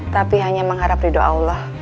tapi hanya mengharap di doa allah